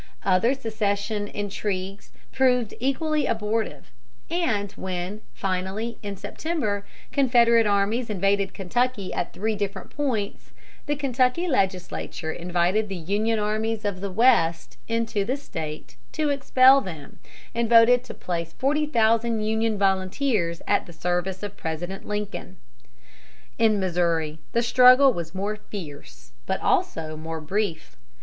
Other secession intrigues proved equally abortive; and when, finally, in September, Confederate armies invaded Kentucky at three different points, the Kentucky legislature invited the Union armies of the West into the State to expel them, and voted to place forty thousand Union volunteers at the service of President Lincoln. In Missouri the struggle was more fierce, but also more brief.